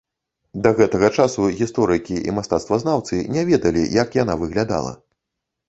Да гэтага часу гісторыкі і мастацтвазнаўцы не ведалі, як яна выглядала.